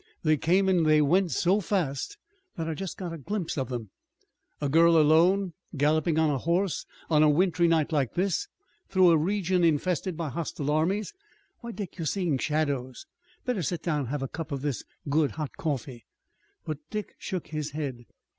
They came and they went so fast that I just got a glimpse of them." "A girl alone, galloping on a horse on a wintry night like this through a region infested by hostile armies! Why Dick, you're seeing shadows! Better sit down and have a cup of this good hot coffee." But Dick shook his head.